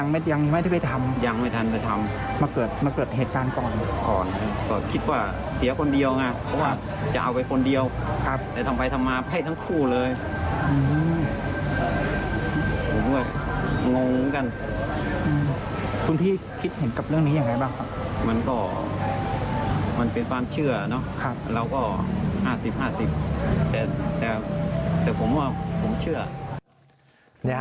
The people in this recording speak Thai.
มันเป็นความเชื่อแล้วก็๕๐๕๐แต่ผมว่าผมเชื่อ